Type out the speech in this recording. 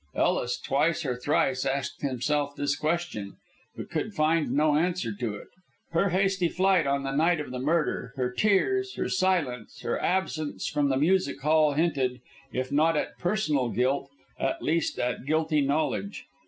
Ellis twice or thrice asked himself this question, but could find no answer to it. Her hasty flight on the night of the murder, her tears, her silence, her absence from the music hall hinted if not at personal guilt at least at guilty knowledge.